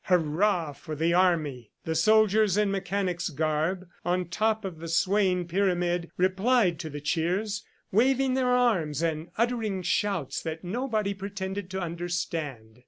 "Hurrah for the army!" The soldiers in mechanic's garb, on top of the swaying pyramid, replied to the cheers, waving their arms and uttering shouts that nobody pretended to understand.